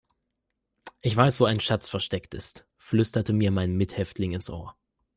Ich weiß, wo ein Schatz versteckt ist, flüsterte mir mein Mithäftling ins Ohr.